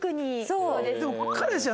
そう。